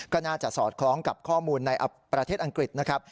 ก็น่าจะสอดคล้องกับข้อมูลในประเทศอังกฤษนะครับ